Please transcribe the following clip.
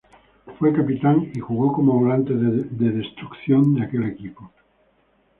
Fue capitán y jugó como volante de destrucción de aquel equipo.